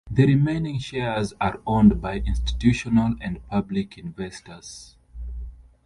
The remaining shares are owned by institutional and public investors.